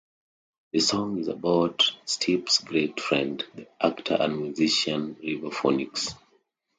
The song is about Stipe's great friend, the actor and musician River Phoenix.